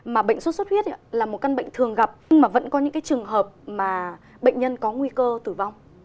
mà bệnh sốt xuất huyết là một căn bệnh thường gặp nhưng mà vẫn có những cái trường hợp mà bệnh nhân có nguy cơ tử vong